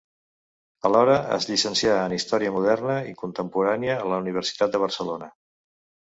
Alhora es llicencià en història moderna i contemporània a la Universitat de Barcelona.